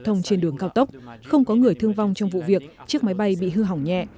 thông trên đường cao tốc không có người thương vong trong vụ việc chiếc máy bay bị hư hỏng nhẹ